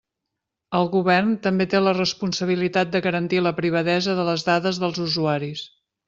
El govern també té la responsabilitat de garantir la privadesa de les dades dels usuaris.